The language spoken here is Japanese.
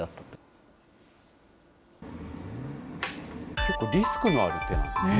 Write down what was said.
結構、リスクのある手なんですね。